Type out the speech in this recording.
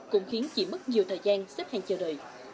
cũng khiến chỉ mất nhiều thời gian xếp hàng chờ đợi